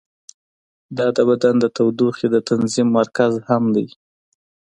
دا د بدن د تودوخې د تنظیم مرکز هم دی.